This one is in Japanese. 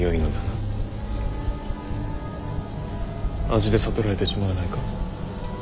味で悟られてしまわないか。